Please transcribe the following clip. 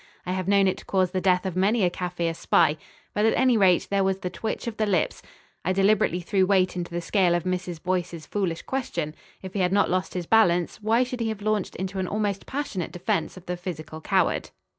I have known it to cause the death of many a Kaffir spy.... But, at any rate, there was the twitch of the lips ... I deliberately threw weight into the scale of Mrs. Boyce's foolish question. If he had not lost his balance, why should he have launched into an almost passionate defence of the physical coward?